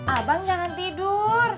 abang jangan tidur